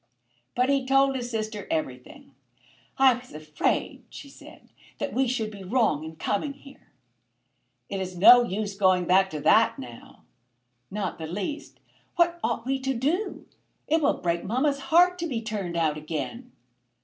But he told his sister everything. "I was afraid," she said, "that we should be wrong in coming here." "It is no use going back to that now." "Not the least. What ought we to do? It will break mamma's heart to be turned out again."